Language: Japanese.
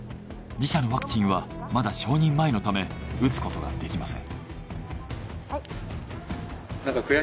自社のワクチンはまだ承認前のため打つことができません。